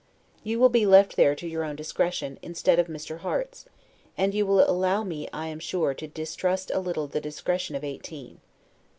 You will be left there to your own discretion, instead of Mr. Harte's, and you will allow me, I am sure, to distrust a little the discretion of eighteen.